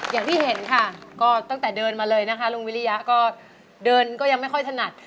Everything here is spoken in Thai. อย่างที่เห็นค่ะก็ตั้งแต่เดินมาเลยนะคะลุงวิริยะก็เดินก็ยังไม่ค่อยถนัด